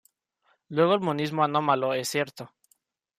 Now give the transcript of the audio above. Luego el monismo anómalo es cierto.